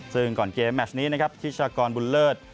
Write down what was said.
ซึ่งก่อนเกมแมชนี้นะครับธิชากรบุญเลิศ